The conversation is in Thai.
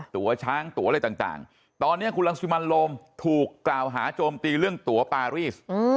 ตัวช้างตัวอะไรต่างตอนนี้คุณรังสิมันโรมถูกกล่าวหาโจมตีเรื่องตัวปารีส